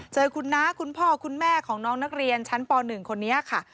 เจอคุณน้าคุณพ่อคุณแม่ของน้องนักเรียนชั้นป๑คนนี้ค่ะ